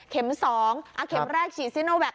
เข็ม๒อ่ะเข็มแรกฉีดซินโนแวค